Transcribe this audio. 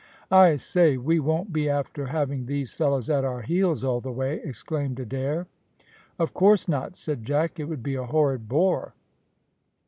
"I say, we won't be after having these fellows at our heels all the way," exclaimed Adair. "Of course not," said Jack; "it would be a horrid bore."